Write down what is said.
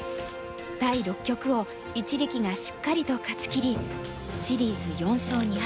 第六局を一力がしっかりと勝ちきりシリーズ４勝２敗